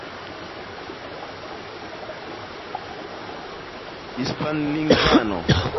hispanlingvano